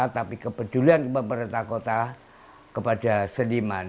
tapi kepedulian pemerintah kota kepada seniman